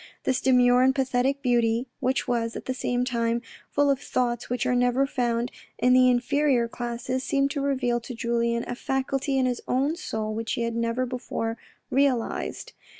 This demure and pathetic beauty, which was, at the same time, full of thoughts which are never found in the inferior classes, seemed to reveal to Julien a faculty in his own soul which he had never before realised.